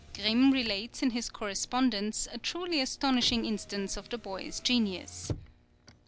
Grimm relates in his correspondence a truly astonishing instance of the boy's genius.